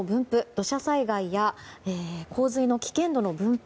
土砂災害や洪水の危険度の分布